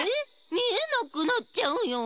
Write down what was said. みえなくなっちゃうよ。